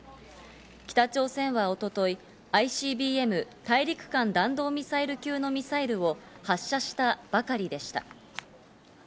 北朝鮮は一昨日、ＩＣＢＭ＝大陸間弾道ミサイル級のミサイルを発射したばかりでした。